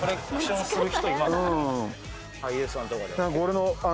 俳優さんとかで。